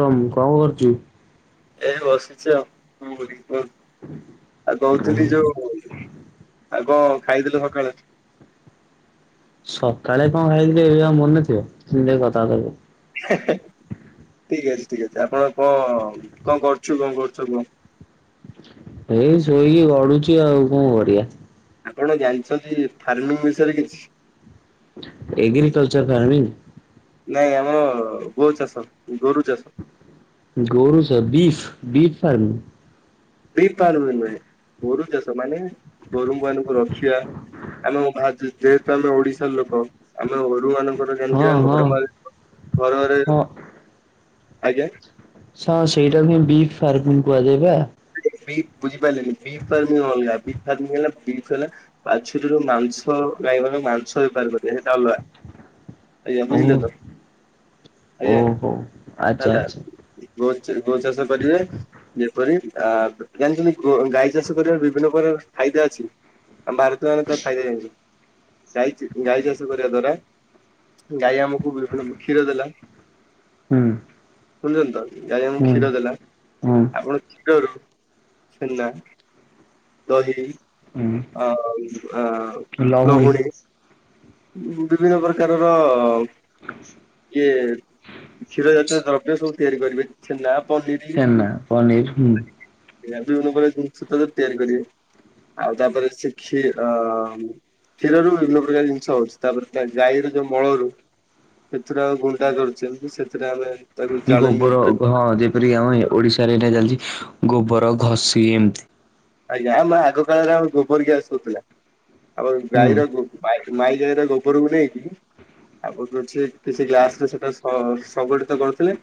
କମ୍ କଁ କରଚୁ। ଏଇ ବସିଚି ଆଉ କଣ କରିବି। ହଁ ଆଉ କହୁଥିଲି ଯୋଉ ଆଉ କଣ ଖାଇଥିଲୁ ସକାଳେ। ସକାଳେ କଣ ଖାଇଥିଲି ଏବେ ଆଉ ମନେ ଥିବ ସେମିତି କଥା ବାର୍ତ୍ତା କରୁଛୁ। ହେଁ ହେଁ ଠିକ୍ ଅଛି ଠିକ୍ ଅଛି। ଆପଣ କଣ କଣ କରୁଚୁ କଣ କରୁଛୁ କଣ। ଏଇ ଶୋଇକି ଗଡୁଛି ଆଉ କଣ କରିବା? ଆପଣ ଜାଣିଛନ୍ତି। ଫାର୍ମିଂ ବିଷୟରେ କିଛି। Agriculture farming. ନାଇଁ ଆମର ଗୋ ଚାଷ ଗୋରୁ ଚାଷ। ଗୋରୁ ସ ବିସ୍ ବି ଫାର୍ମ। ଦୀପଲ [unintelligible] ଗୋରୁ ଚାଷ ମାନେ। ଗୋରୁ [unintelligible] ଖିଆ ଆମେ ଭାଜ୍ ଯେହେତୁ ଆମର ଓଡିଶାର ଲୋକ ଆମେ ଅରୁ ମାନଙ୍କୁ ତୋର୍ [unintelligible] ହଁ ଯେମ୍ତି ଆନ୍ ହଁ ଘର ମାଲ୍ ଘର ଘରେ ହଁ ଆଜ୍ଞା। ହଁ ସେଇଟାକୁ ବି ଫାରମିଙ୍ଗି କୁହାଯାଇବା। ବୀ ବୁଝିପାରିଲିନି ବିଫର୍ମିଂ ଅଲଗା ବିଟ୍ ଫମ ହେଲା ବିଫ୍ ହେଲା ପା ଛୋଟିରୁ ମାଂସ ଗାଈ ଗ ମାଂସ ବେପାର କ ସେଟା ଅଲଗା। ଆଜ୍ଞା ଓହୋ ବୁଝିଲ ତ। ଆଜ୍ଞା ଓହୋ ଆଚ୍ଛା ହେଲା ଆଚ୍ଛା ଗୋ ଗୋଚାଷ କରିବେ। କରି [unintelligible] ଆ ଜାଣିଛନ୍ତିଛନ୍ତି ଗୋ ଗାଈ ଚାଷ କରିବାର ବିଭିନ୍ନ ପ୍ରକାର ଫାଇଦା ଅଛି। ଆମ ଭାରତୀୟ ମାନେ ତାର ଫାଇଦ ଜାଣିଛନ୍ତି। ଗାଈ ଗାଈ ଚାଷ କରିବା ଦ୍ଵାରା ଗାଈ ଆମକୁ ବିଭିନ୍ନ କ୍ଷୀର ଦେଲା। ହୁଁ। ଶୁଣୁଛନ୍ତି ତ। ଗାଈ ଆମକୁ ହୁଁ କ୍ଷୀର ଦେଲା। ହୁଁ ଆପଣ ରୁ ଛେନା ଦହି ହୁଁ ଲହୁଣୀ। ବିଭିନ୍ନ ପ୍ରକାରର ଇଏ କ୍ଷୀର ଜାତୀୟ ଦ୍ରବ୍ୟ ସବୁ ତିଆରି କରିବେ। ଛନା ଛେନ୍ନା ପନିର ହୁଁ। ବିଭିନ୍ନ ଜିନିସ ତିଆରି କରିବେ ଆଉ ତାପରେ ସେ କ୍ଷୀ କ୍ଷୀରରୁ ବିଭିନ୍ନ ପ୍ରକାର ହଉଛି ତାପରେ ଗାଈର ଯୋଉ ମଳରୁ ସେଥିରେ ଆମେ ଗୁଣ୍ଡା କରୁଛେ ସେଥିରେ ଆମେ ତାକୁ ଜାଳେଣୀ ଗୋବର ଉପରେ ହଁ ଯେପରିକି ଆମ ଓଡିଶାରେ ଏଇଟା ଚାଲିଛି। ଗୋବର ଘଷି ଏମତି ଆଜ୍ଞା ଆମେ ଆଗ କାଳରେ ଆମ ଗୋବର ଗ୍ୟାସ ହଉଥିଲା। ଆମ ହୁଁ ଗାାଇର ଗୋ ବାଇ ମାଇ ଜାଗାରେ ଗୋବରକୁ ନେଇକି ଆପର୍ ସେ କିଛି ଗ୍ଲାସ ରେ ସେଟା ସଂଗଠିତ କରୁଥିଲେ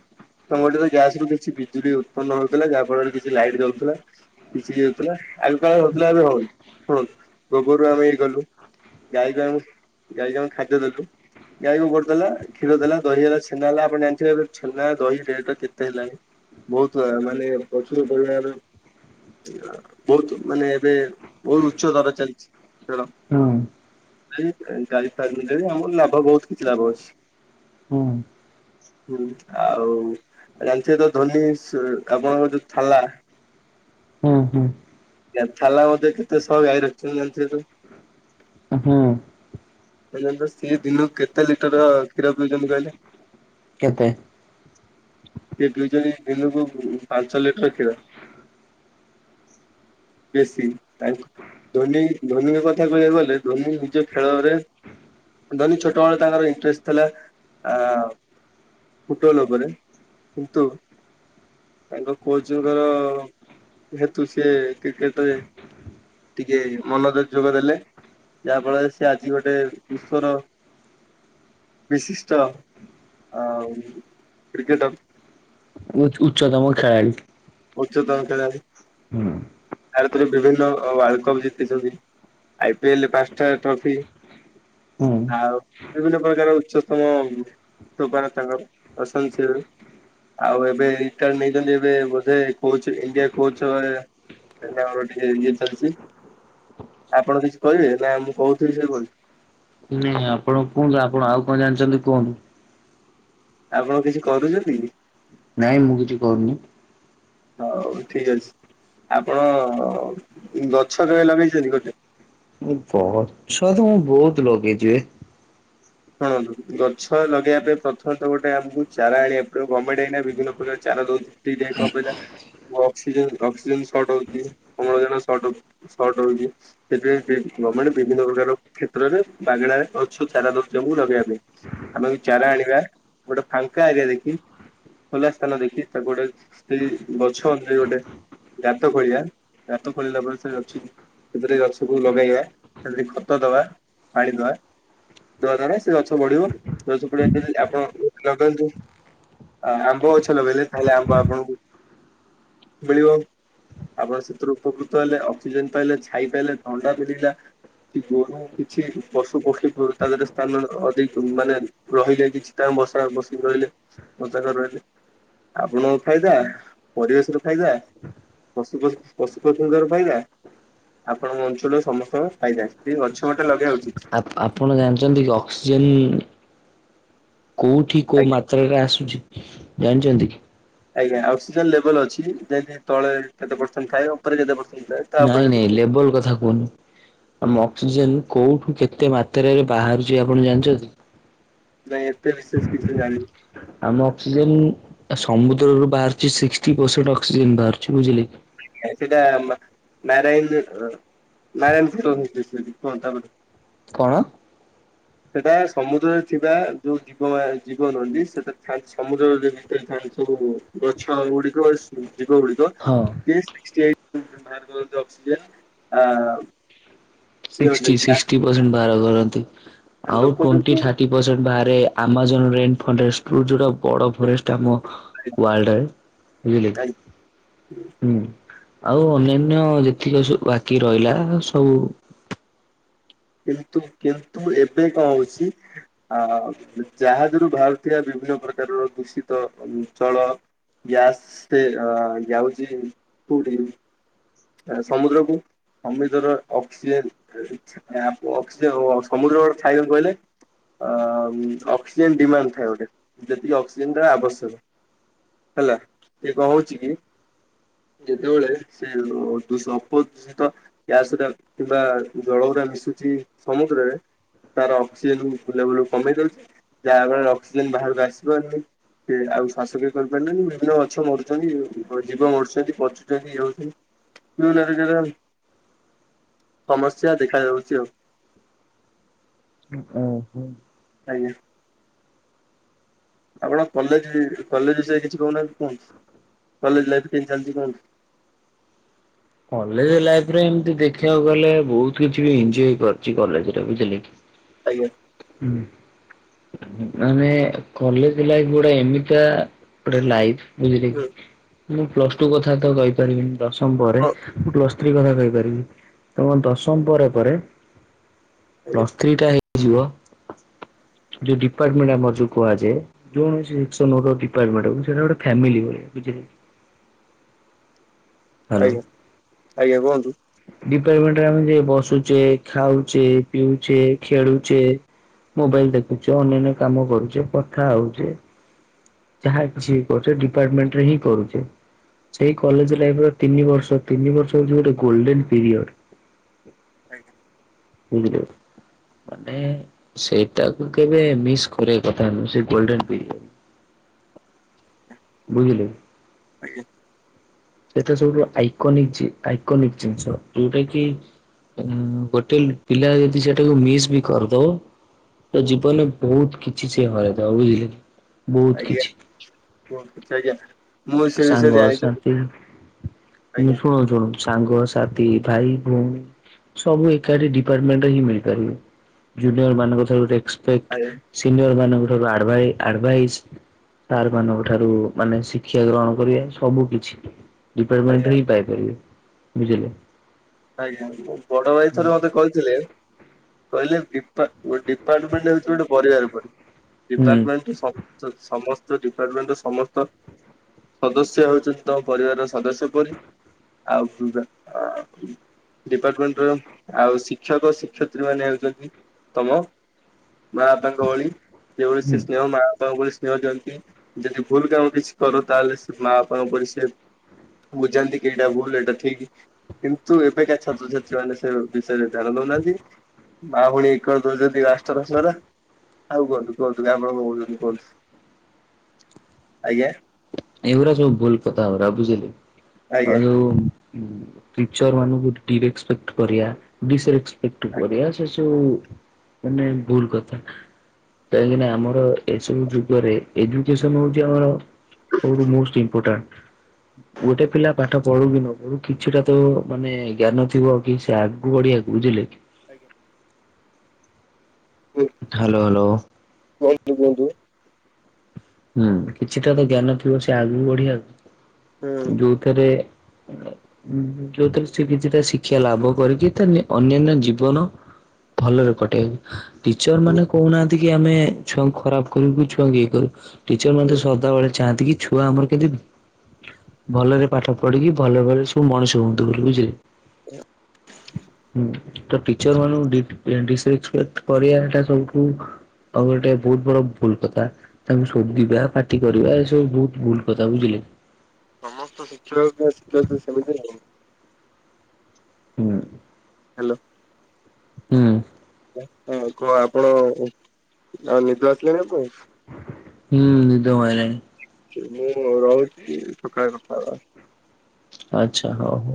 ସଂଗଠିତ ଗ୍୍ୟାସ ରୁ କିଛି ବିଜୁଳି ଉତ୍ପନ୍ନ ହଉଥିଲା। ଯାହା ଫଳରେ କିଛି ଲାଇଟ ଯାଉଥିଲା। କିଛି ଥିଲା ଆଗ କାଳରେ ହଉଥିଲା ଏବେ ହଉନୀ ଗୋବରରୁ ଆମେ ଇ କଲୁ ଗାଈକୁ ଆମେ ଗାଈକୁ ଆମେ ଖାଦ୍ୟ ଦେଲୁ ଗାଈକୁ ଗୋବର ଦେଲା କ୍ଷୀର ଦେଲା ଦହି ହେଲା ଛେନା ହେଲା ଆପଣ ଜାଣିଥିବେ ଏ ଛେନା ଦହି ରେଟ କେତେ ହେଲାଣି? ବହୁତ ମାନେ ପ୍ରଚୁର ପରିମାଣରେ ବହୁତ ମାନେ ଏବେ ବହୁତ ଉଚ୍ଚ ଦର ଚାଲିଛି ଖେଳ ହୁଁ ଗାଇ ଫାର୍ମ ଆମର ଲାଭ ବହୁତ କିଛି ଲାଭ ଅଛି। ହୁଁ ହୁଁ ଆଉ ଜାଣିଥେ ତ ଧନୀ ଆପଣଙ୍କ ଯୋଉ ଥାଲା। ହୁଁ ହୁଁ ଥାଲା କେତେ ସହ ଗାାଇଈ ରଖଛନ୍ତି ଯେ ତ? ହୁଁ ସେ ଦିନକୁ କେତେ ଲିଟର କ୍ଷୀର ପିଉଛନ୍ତି କହିଲେ? କେତେ? ଦିନୁକୁ ପାଞ୍ଚ ଲିଟର ଖିର ବେଶୀ ଧ ଧୋନିଙ୍କ କଥା କହିବାକୁ ଗଲେ ଧୋନି ନିଜ ଖେଳରେ ଧନୀ ଛୋଟ ବଳ ତାଙ୍କର ଇଣ୍ଟରେଷ୍ଟ ଥିଲା ଆ ଫୁଟବଲ ଉପରେ କିନ୍ତୁ ତାଙ୍କ କୋଚଙ୍କର ଯେହେତୁ ସେ କ୍ରିକେଟରେ ଟିକେ ମନ ରେ ଯୋଗ ଦେଲେ ଯାହା ଫଳରେ ସେ ଆଜି ଗୋଟେ ଗୋଟେ ବିଶ୍ଵର ବିଶିଷ୍ଟ କ୍ରିକେଟର ଉଚ୍ଚ ଉଚ୍ଚତମ ଖେଳାଳି। ଉଚ୍ଚତମ ଖେଳାଳି ହୁଁ ଭାରତରେ ବିଭିନ୍ନ ୱାର୍ଲଡ କପ୍ ଜିତିଛନ୍ତି। ଆଇ ପିଏଲ ପାଞ୍ଚଟା ଟ୍ରଫି ହୁଁ ଆଉ ବିଭିନ୍ନ ପ୍ରକାର ଉଚ୍ଚତମପାର ତାଙ୍କଶ ଆଉ ଏବେ ରିଟ ନେଇଛନ୍ତି। ଏ ସେ କୋଚ ଇଣ୍ଡିଆ କୋଚ ସେୋର ଟିକେ ଇଏ ଚାଲିଛି ଆପଣ କିଛି କହିବେ ନା ମୁଁ କହୁଥିଲି ସେ କ ଆପଣ କୁହନ୍ତୁ ଆପଣ ଆଉ କଣ ଜାଣିଛନ୍ତି କୁହନ୍ତୁ। ଆପଣ କିଛି କରୁଛନ୍ତି। ନାଇଁ ମୁଁ କିଛି କରୁନି। ହଉ ଠିକ ଅଛି ଆପଣ ଗଛ କେବେ ଲଗେଇଛନ୍ତି ଗୋଟେ ବହୁତ ସଆ ତ ମୁଁ ବହୁତ ଲଗେଇଯିବ। ସୁ ଣନ୍ତୁ ଗଛ ଲଗେଇବା ପାଇଁ ପ୍ରଥମେତ ଗୋଟେ ଆମକୁ ଚାରା ଆଣିବାକୁ ପଡ଼ିବ ଗମେଣ୍ଟ ଏଇନା ବିଭିନ୍ନ ପ୍ରକାର ଚାରା ଦଉଛି ଫ୍ରିରେକନ୍ କହିଲା ଅକ୍ସିଜେନ ଅକ୍ସିଜେନ ସର୍ଟ ହଉଛି ଅମ୍ଳଜାନ ସଟ ସର୍ଟ ହଉଛି ସେଥିପାଇଁ ଗଭର୍ଣ୍ଣମେଣ୍ଟ ବିଭିନ୍ନ ପ୍ରକାର କ୍ଷେତ୍ରରେ ବାାଗଣାରେ ଗଛ ଚାରା ଦଉ। ସୁ ଲଗେଇବା ପାଇଁ ଆମେକୁ ଚାରା ଆଣିବା ଗୋଟେ ଫାଙ୍କା ଏରିଆ ଦେଖି ଖୋଲା ସ୍ଥାନ ଦେଖି ତାକୁ ଗୋଟେ ସେ ଗଛ ଅନୁଯାୟୀ ଗୋଟେ ଗାତ ଖୋଳିବା ଗାତ ଖୋଳିଲା ପରେ ସେ ଗଛ ସେଥିରେ ଗଛକୁ ଲଗେଇବାଥିରେ ଖତ ଦବା ପାଣି ଦବା। ତ୍ଵ ଦ୍ଵାରା ସେ ଗଛ ବଢିବ, ଗଛ ପଡିବା ପାଇଁ ଯେ ଆପଣ ଲଗାନ୍ତୁ, ଆ ଆମ୍ବ ଗଛ ଲଗେଇଲେ ତାହେଲେ ଆମ୍ବ ଆପଣଙ୍କୁ ମିଳିବ। ଆପଣ ସେଥିରୁ ଉପକୃତ ହେଲେ ଅକ୍ସିଜେନ ପାଇଲେ, ଛାଇ ପାଇଲେ ଥଣ୍ଡା ମିଳିଲା। କି ଗୋରୁ କିଛି ପଶୁ ପକ୍ଷୀ ଙ୍କ ତା ଦେରେ ସ୍ଥାନ ଅଧିକ ମାନେ ରହିଲେ କିଛି ତା ବସା ବସିକି ରହିଲେ ବସା କର ରହିଲେ ଆପଣଙ୍କ ଫାଇଦା, ପରିବେଶର ଫାଇଦା, ପଶୁପକ୍ଷୀ ପଶୁପକ୍ଷୀଙ୍କର ଫାଇଦା, ଆପଣଙ୍କ ଅଞ୍ଚଳ ସମସ୍ତଙ୍କ ଫାଇଦା, ସେ ଗଛ ଗୋଟେ ଲଗାଇବା ଉ ଆପ ଆପଣ ଜାଣଚନ୍ତି କ କ୍ସିଜେନ କୋଉଠି କୋଉ ମାତ୍ରାରେ ଆସୁଚି। ଜାଣଚନ୍ତି କି? ଆଜ୍ଞା ଅକ୍ସିଜେନ ଲେବଲ ଅଛି, ଯେନ୍ତି ତଳେ କେତେ ପରସେଣ୍ଟ ଥାଏ ଉପରେ ଯେତେ ନାଇଁ ନାଇଁ ଲେବଲ କଥା କୋହୁନି, ଥାଏ। ଆମ ଅକ୍ସିଜେନ କୋଉଠୁ କେତ କେତେ ମାତରାରେ ବାହାରୁଛି ଆପଣ ଜାଣଚନ୍ତି? ନାଇଁ ଏତେ ବିଶେଷ କିଛି ଜାଣ ଆମ ଅକ୍ସିଜେନ ସମୁଦ୍ରରୁ ବାହାରୁଛିି ସିଷ୍ଟି ପରସେଣ୍ଟ ଅକ୍ସିଜେନ ବାହାରୁଛି ବୁଝିଲେ। କି? ସେଇଟା ନାରାୟନ ନାରାୟଣ ତ ତାପ [unintelligible] କଣ? ସେଟା ସମୁଦ୍ରରେ ଥିବା ଯୋଉ ଜୀବ ଆ ଜୀବ ରହନ୍ତି ସେଟା ଥାଏ ସମୁଦ୍ରରେ ଭିତରେ ଥାନ୍ତି ସବୁ ଗଛ ଗୁଡିକ ଜୀବ ଗୁଡିକ ହଁ ଦି ସିଷ୍ଟି ଏଇଟ ଭାର କରନ୍ତି ଅକ୍ସିଜେନ ଆ ଇଏ ଶିଷ୍ଟି ହୋଇଯାଇଥିଲା ଶିଖଷ୍ଟି ପରସେଣ୍ଟ ବାହାର କରନ୍ତି, ଆଉ ଲୋକ ଟୋଣ୍ଟି କିନ୍ତୁ ଥାର୍ଟି ପରସେଣ୍ଟ ବାହାରେ ଆମାଜନ ରେନ ଫରେଷ୍ଟ ରୁ ଯୋଉଟା ବଡ ଫରେଷ୍ଟ ଆମ ୱାଲଡ଼ ରେ ବୁଝିଲେ କି ହୁଁ। ଆଉ ଅନ୍ୟାନ୍ୟ ଯେତିକ ସବୁ ବାକି ରହିଲା ସବୁ। କିନ୍ତୁ କିନ୍ତୁ ଏବେ କଣ ହଉଛି ଆଁ ଜାହାଜରୁ ବାହାରୁଥିବା ବିଭିନ୍ନ ପ୍ରକାରର ଦୂଷିତ ଜଳ ଗ୍ୟାସ ସେ ଯାଉଛି କୋଉଠିକୁ? ସମୁଦ୍ରକୁ ସମୁଦ୍ରର ଅକ୍ସିଜେନ୍। [unintelligible] ଆପ ସମୁଦ୍ର ଗୋଟେ [unintelligible] କହିଲେ ଅ ଅକ୍ସିଜେନ ଡିମାଣ୍ଡ ଥାଏ ଗୋଟେ ଯେତିକି ଅକ୍ସିଜେନ ଆବଶ୍ୟକ। ହେଲା ସେ କଣ ହଉଛି କି ଯେତେବେଳେ ସେ ଅପଦୂଷିତ ଗ୍ୟାସ କିମ୍ବା ଜଳଉରା ଆସୁଛି ସମୁଦ୍ରରେ ତାର ଅକ୍ସିଜେନ ଲେବୁଲ୍ କମ ହେଇଯାଉଛି ଯାହା ଫଳରେ ଅକ୍ସିଜେନ ବାହାରକୁ ଆସି ପାରୁନି ସେ ଆଉ ଶ୍ୱାସକ୍ରିୟା କରିପାରୁନି ବିଭିନ୍ନ ଗଛ ମରୁଛନ୍ତି ଜୀବ ମରୁଛନ୍ତି ପଚୁଛନ୍ତି ଇଏ ହଉଛନ୍ତି ବିଭିନ୍ନ ପ୍ରକାର ସମସ୍ୟା ଦେଖାଯାଉଛି। ଛି ଆଉ। ଓହୋ। ଆଜ୍ଞା। ଆପଣ କଲେଜ କଲେଜ ବିଷୟରେ କିଛି କହୁନାହାନ୍ତି କୁହନ୍ତୁ। କଲେଜ ଲାଇଫ କେମତି ଚାଲିଛି କୁହନ୍ତୁ। କଲେଜ ଲାଇଫରେ ଏମିତି ଦେଖିବାକୁ ଗଲେ ବହୁତ କିଛି ଏଞ୍ଜଅ କରିଛି କଲେଜରେ ବୁଝିଲେକି। ଆଜ୍ଞା ହୁଁ। ମାନେ କଲେଜ ଲାଇଫ୍ ଗୁଡା ଏମିତିଆ ଗୋଟେ ଲାଇଫ। ବୁଝିଲେ କି ହୁଁ ମୁଁ ପ୍ଲସ ଟୁ କଥା ତ କହି ପଢ଼ିବିନି ଦଶମ। [unintelligible] ହଁ ଥ୍ରୀ କଥା କହିପାରିବି। ତମ ଦଶମ ପରେ ପରେ। ଆଜ୍ଞା ପ୍ଲସ୍ ଥ୍ରୀ ଟା ହେଇ। ଯିବ ଯୋଉ ଡିପାର୍ଟମେଣ୍ଟ ଆମର ଯୋଉ କୁହାଯାଏ [unintelligible] ଡିପାର୍ଟମେଣ୍ଟ ସେଟା ଗୋଟେ ଫ୍ୟାମିଲି। ହ୍ୟାଲୋ ଆଜ୍ଞା ଆଜ୍ଞା କୁହନ୍ତୁ। ପେମେଣ୍ଟ [unintelligible] ବସୁଛେ ଖାଉଛେ ପିଉଛେ ଖେଳୁଛେ ମୋବାଇଲ ଦେଖୁଛ ଅନ୍ୟାନ୍ୟ କାମ କରୁଛେ କଥା ହଉଛେ। ଯାହା କିଛି କରଛ ଡିପାର୍ଟମେଣ୍ଟରେ ହିଁ କରୁଛେ ସେଇ କଲେଜ ଲାଇଫ ର ତିନି ବର୍ଷ ତିନି ବର୍ଷ ହଉଛି ଗୋଟେ ଗୋଲଡେନ ପିରିୟଡ। ଆଞା। ମାନେ ସେଇଟାକୁ କେବେ ମିସ୍ କରିବା କଥା ନୁହଁ ସେଇ ଗୋଲ୍ଡେନ ପିରିୟଡ଼। ବୁଝିଲେକି। ଆଜ୍ଞା। ସେଇଟା ସବୁଠୁ ଆଇକୋନିକ ଆଇକୋନିକ ଜିନିଷ ଯୋଉଟା କି ଗୋଟେ ପିଲା ଯଦି ସେଟାକୁ ମିସ୍ ବି କରିଦବ ତା ହୁଁ, ଜୀବନରେ ବହୁତ କି ଛି ହରେଇ ଦବ ବୁଝିଲେ। ବହୁତ ଆଜ୍ଞା କୁଅ ଆଜ୍ଞା। ମୁଁ ସେ ବିଷୟରେ ସାଙ୍ଗ ଜାଣିଛି ଶାନ୍ତି ମୁଁ ଆଜ୍ଞା ଶୁଣୁ ଶୁଣୁ ସାଙ୍ଗ ସାଥି ଭାଇ ଭଉଣୀ ସବୁ ଏକାଠି ଡିପାର୍ଟମେଣ୍ଟରେ ହିଁ ମିଳିପାରିବ ଜୁନିୟର ମାନଙ୍କ ଡେସ ପେଟ ଆଜ୍ଞା ସିୟର ମାନଙ୍କ ଠୁ ଆଡାଇ ତ ମାନଙ୍କଠାରୁ ମାନେ ଶି ଶିକ୍ଷା ଗ୍ରହଣ କରିବା ସବୁ କିଛି ଆଜ୍ଞା ଡିପାର୍ଟମେଣ୍ଟ ରେ ହିଁ ପାଇପାରିବେ। ବୁଝିଲେ। ଆଜ୍ଞା ବଡ ଭାଇ ଥରେ ମତେ କହିଥିଲେ କହିଲେ ଡି ଡିପାର୍ଟମେଣ୍ଟ ହଉଛି ଗୋଟେ ପରିବାର ପରି। ହୁଁ। ଡିପାର୍ଟମେଣ୍ଟ ସବ ସମସ୍ତେ ଡିପାର୍ଟମେଣ୍ଟ ର ସମସ୍ତ ସଦସ୍ୟ ହଉଛନ୍ତି ତମ ପରିବାରର ସଦସ୍ୟ ପରି ଆଉ ଡିପାର୍ଟମେଣ୍ଟ ର ଆଉ ଶିକ୍ଷକ ଶିକ୍ଷୟତ୍ରୀ ମାନେ ହେଉଛନ୍ତି ତମ ମା ବାପାଙ୍କ ଭଳି ସେଭଳି ସେ ସ୍ନେହ ମା ବାପାଙ୍କ ଭଳି ଉଛନ୍ତି ଯଦି ଭୁଲ କାମ କିଛି କର ତାହେଲେ ସେ ମା ବାପା ଉପରେ ସେ ବୁଝାନ୍ତି କି ଏଇଟା ଭୁଲ ଏଇଟା ଠିକ କିନ୍ତୁ ଏବେକାା ଛାତ୍ରଛାତ୍ରୀ ମାନେ ସେ ବିଷୟରେ ଧ୍ୟାନ ଦଉନାହାନ୍ତି ମା ଭଉଣୀ ଏକଳ ଦଉଛନ୍ତି ଆଷ୍ଟରଶନାର ଆଉ କୁହନ୍ତୁ କୁହନ୍ତୁ କପଣ କହୁଛନ୍ତି କୁହନ୍ତୁ ଆଜ୍ଞା। ଏଇଗୁଡା ସବୁ ଭୁଲ କଥା ହରା ବୁଝିଲେ। ଆଜ୍ଞା ଆଉ ଯୋଉ ଟିଚର ମାନଙ୍କୁ ଡିପେକ୍ଟ କରିବା ଡ଼ିସେଲ୍ଫି ଏଟୁ ପରିହାସ ସୁ ମାନେ ଭୁଲ କଥା କାହିଁକିନା ଆମର ଏସବୁ ଯୁଗରେ ଏଜୁକସନ ହଉଛି ଆମର ସଉଠୁ ମୋଷ୍ଟ ଇମ୍ପୋଟାଣ୍ଟ। ଗୋଟେ ପିଲା ପାଠ ପଢୁ କି ନ ପଢୁ କିଛିଟା ତ ମାନେ ଜ୍ଞାନ ଥିବ କି ସେ ଆଗୁ ବଢିବାକୁ ବୁଝିଲେ। ଆଜ୍ଞା। Hello hello. [inaudible] କୁହନ୍ତୁ କୁହନ୍ତୁ। ହୁଁ କିଛିଟା ତ ଜ୍ଞାନ ଥିବ ସେ ଆଗ ବି ବଢିବାକୁ। ହୁଁ ଯୋଉଥିରେ ଯୋଉଥିରେ ସେ କିଛିଟା ଶିକ୍ଷା ଲାଭ କରିକି ତା ଅନ୍ୟାନ୍ୟ ଜୀବନ ଭଲରେ କଟେଇବାକୁ। ଟିଚର ମାନେ କହୁନାହାନ୍ତି ସେତିକି ଆମେ ଛୁଆଙ୍କୁ ଖରାପ କରୁ କି ଛୁଆଙ୍କୁ ଇଏ କରୁ ଟିଚର ମେ ହୁଁ। ସଦାବେଳେ ଚାହାନ୍ତି କି ଛୁଆ ଆମର କେତି ଭଲରେ ପାଠ ପଢିକି ଭଲ ଭରେ ସବୁ ମଣିଷ ହୁଅନ୍ତୁ ବୋଲି ବୁଝିଲେ ହୁଁ ତ ଟଟିଚର ମାନୁଙ୍କୁ ଡି ଡିସରେପେକ୍ଟ କରିବାଟା ସବୁଠୁ ଆଉ ଗୋଟେ ବହୁତ ବଡ ଭୁଲ କଥା ତାଙ୍କର ସଧିବା ପାଟି କରିବା ଏସବୁ ବହୁତ ଭୁଲ କଥା ବୁଝିଲେ ସମସ୍ତ ଶିକ୍ଷକ ଶିକ୍ଷକ ସେମିତି ହ ହୁଁ। ହାଲୋ ହୁଁ। ହଁ କୁହ ଆପଣ ଆଉ ନିଦୁ ଆସିଲେଣି ଆ କଣ? ହୁଁ ନିିଦ ମଡିଲାଣି ସେ ମୁଁ ରହୁଛି ସକାଳ କକା ଆଚ୍ଛା ହଉ ହଉ।